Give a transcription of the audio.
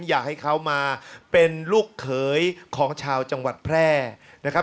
อยากให้เขามาเป็นลูกเขยของชาวจังหวัดแพร่นะครับ